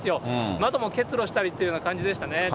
窓も結露したりというような感じでしたね。